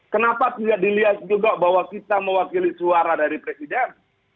kenapa tidak dilihat juga bahwa kita mewakili suara dari presiden